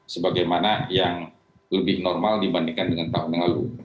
sebagaimana yang lebih normal dibandingkan dengan tahun yang lalu